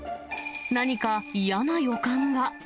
何か嫌な予感が。